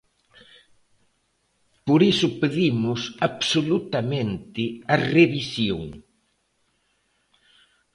Por iso pedimos, absolutamente, a revisión.